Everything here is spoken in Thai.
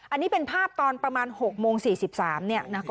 อันนี้เป็นภาพตอนประมาณ๖โมง๔๓